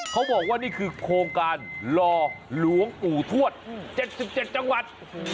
เขาบอกว่านี่คือโครงการรอหลวงปู่ทวด๗๗จังหวัด